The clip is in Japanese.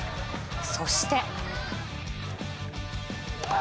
そして。